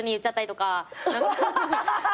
ハハハ！